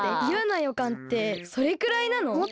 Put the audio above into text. いやなよかんってそれくらいなの？